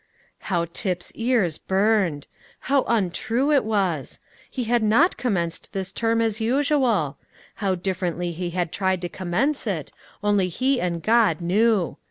How Tip's ears burned! How untrue it was! He had not commenced this term as usual; how differently he had tried to commence it, only he and God knew.